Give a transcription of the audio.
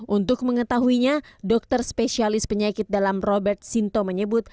untuk mengetahuinya dokter spesialis penyakit dalam robert sinto menyebut